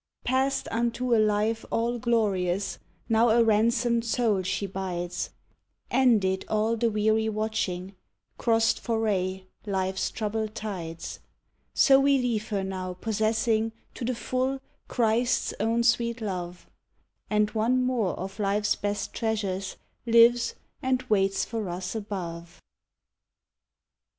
Passed unto a life all glorious now a ransomed soul she bides, Ended all the weary watching, crossed for aye life's troubled tides; So we leave her now possessing, to the full, Christ's own sweet love, And one more of life's best treasures lives and waits for us above!